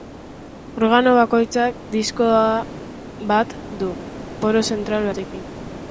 Organo bakoitzak diskoa bat du, poro zentral batekin.